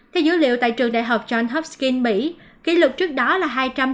theo dữ liệu tại trường đại học john hopkinskin mỹ kỷ lục trước đó là hai trăm chín mươi bốn một mươi bốn